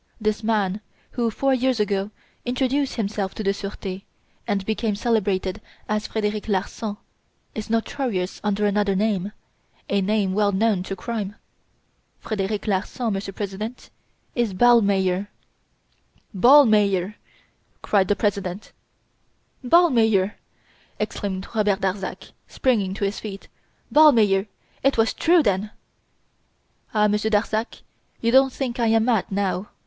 This man who, four years ago, introduced himself to the Surete, and became celebrated as Frederic Larsan, is notorious under another name a name well known to crime. Frederic Larsan, Monsieur President, is Ballmeyer!" "Ballmeyer!" cried the President. "Ballmeyer!" exclaimed Robert Darzac, springing to his feet. "Ballmeyer! It was true, then!" "Ah! Monsieur Darzac; you don't think I am mad, now!"